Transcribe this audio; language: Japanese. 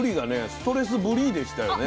「ストレスブリー」でしたよね。